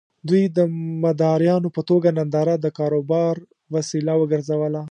دوی د مداريانو په توګه ننداره د کاروبار وسيله وګرځوله.